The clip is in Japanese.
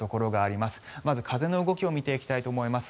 まず風の動きを見ていきたいと思います。